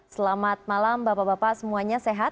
selamat malam bapak bapak semuanya sehat